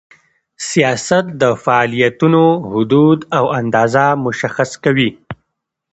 سیاست د فعالیتونو حدود او اندازه مشخص کوي.